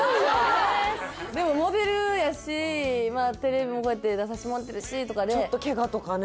でもモデルやしまあテレビもこうやって出させてもらってるしとかでちょっとケガとかね